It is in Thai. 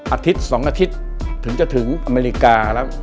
อาทิตย์๒อาทิตย์ถึงจะถึงอเมริกาแล้ว